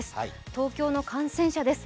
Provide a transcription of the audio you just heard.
東京の感染者です。